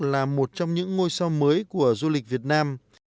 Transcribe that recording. là một trong những ngôi sao mới của du lịch việt nam